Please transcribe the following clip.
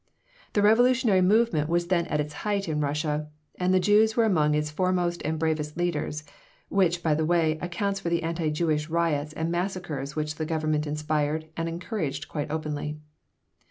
The revolutionary movement was then at its height in Russia, and the Jews were among its foremost and bravest leaders (which, by the way, accounts for the anti Jewish riots and massacres which the Government inspired and encouraged quite openly).